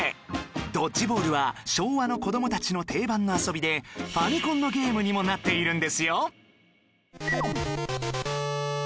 ドッジボールは昭和の子どもたちの定番の遊びでファミコンのゲームにもなっているんですよ